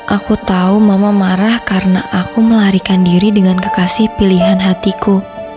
aku tahu mama marah karena aku melarikan diri dengan kekasih pilihan hatiku